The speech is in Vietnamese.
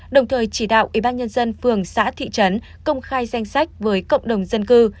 đồng thời chỉ đạo ubnd phường xã thị trấn công khai danh sách với cộng đồng dân cư